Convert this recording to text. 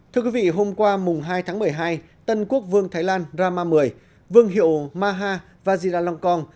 thưa quý vị hôm qua mùng hai tháng một mươi hai tân quốc vương thái lan rama x vương hiệu maha vajiralongkorn